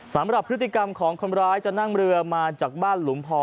สำหรับพฤติกรรมของคนร้ายจะนั่งเรือมาจากบ้านหลุมพอ